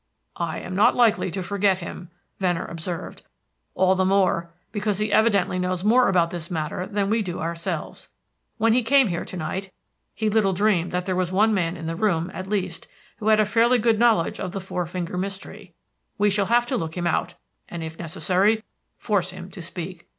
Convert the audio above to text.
"I am not likely to forget him," Venner observed. "All the more because he evidently knows more about this matter than we do ourselves. When he came here to night, he little dreamed that there was one man in the room, at least, who had a fairly good knowledge of the Four Finger Mystery. We shall have to look him out, and, if necessary, force him to speak.